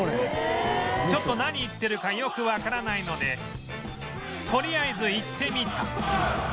ちょっと何言ってるかよくわからないのでとりあえず行ってみた